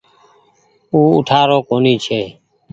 او اُٺآرو ڪونيٚ ڇي۔